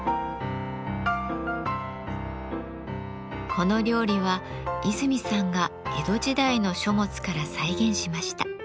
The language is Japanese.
この料理は泉さんが江戸時代の書物から再現しました。